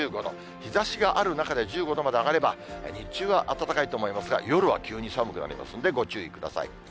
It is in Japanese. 日ざしがある中で、１５度まで上がれば、日中は暖かいと思いますが、夜は急に寒くなりますので、ご注意ください。